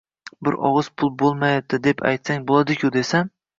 Bir og‘iz pul bo‘lmayapti deb aytsang bo‘ladiku desam